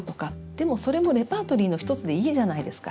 でもそれもレパートリーの１つでいいじゃないですか。